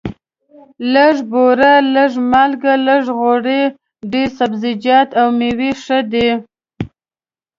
لږه بوره، لږه مالګه، لږ غوړي، ډېر سبزیجات او مېوې ښه دي.